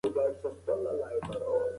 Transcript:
غلام خپله ټوله مېوه په فقیرانو باندې وویشله.